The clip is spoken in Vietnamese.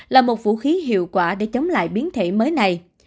là một vũ khí hiệu quả để chống lại biến thể mới này